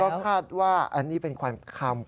ก็คาดว่าอันนี้เป็นความคำ